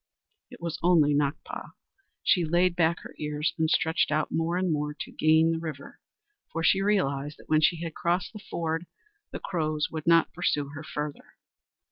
It was only Nakpa. She laid back her ears and stretched out more and more to gain the river, for she realized that when she had crossed the ford the Crows would not pursue her farther.